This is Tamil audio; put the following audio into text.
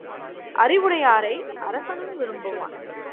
அறிவுடையாரை அரசனும் விரும்புவான்.